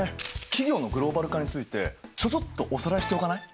企業のグローバル化についてちょちょっとおさらいしておかない？